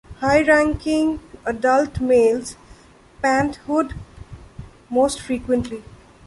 High-ranking adult males pant-hoot most frequently.